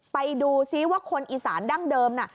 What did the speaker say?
ไปดูซิว่าคนอีสานดั้งเดิมน่ะ